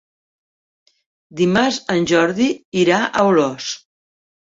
Dimarts en Jordi irà a Olost.